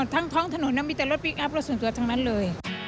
ท้องถนนมีแต่รถพลิกอัพรถส่วนตัวทั้งนั้นเลย